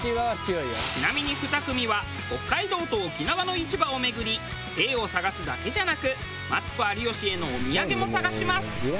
ちなみに２組は北海道と沖縄の市場を巡り「へぇ」を探すだけじゃなくマツコ有吉へのお土産も探します。